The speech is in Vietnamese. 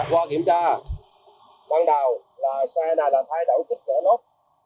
qua kiểm tra ban đầu là xe này là thay đổi kích cỡ lốp